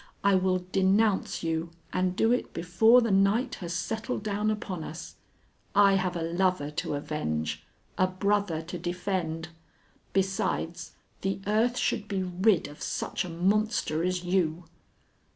I will denounce you and do it before the night has settled down upon us. I have a lover to avenge, a brother to defend. Besides, the earth should be rid of such a monster as you."